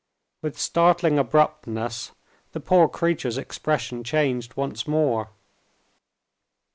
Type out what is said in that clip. With startling abruptness, the poor creature's expression changed once more.